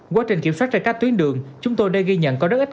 quá trình kiểm soát ra các tuyến đường chúng tôi đã ghi nhận có rất ít người